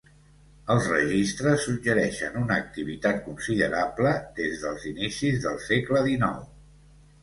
Els registres suggereixen una activitat considerable des dels inicis del segle XIX.